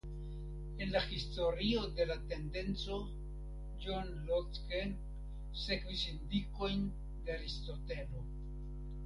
En la historio de la tendenco John Locke sekvis indikojn de Aristotelo.